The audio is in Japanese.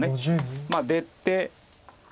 まあ出て。